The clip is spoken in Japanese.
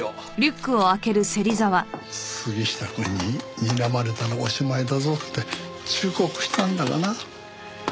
杉下くんににらまれたらおしまいだぞって忠告したんだがな。